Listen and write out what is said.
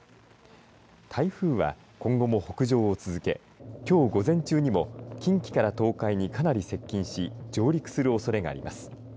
台風は今後も北上を続けきょう午前中にも近畿から東海にかなり接近し上陸するおそれがあります。